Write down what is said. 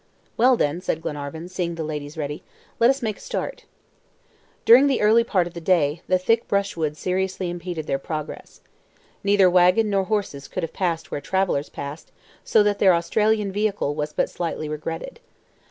"Well, then," said Glenarvan, seeing the ladies ready, "let us make a start." During the early part of the day, the thick brushwood seriously impeded their progress. Neither wagon nor horses could have passed where travelers passed, so that their Australian vehicle was but slightly regretted.